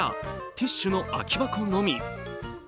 ティッシュの空き箱のみ。